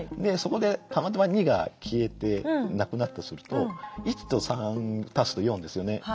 そこでたまたま２が消えてなくなったとすると１と３足すと４ですよね。